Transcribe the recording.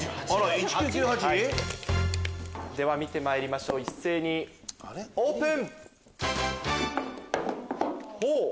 １９９８？では見てまいりましょう一斉にオープン！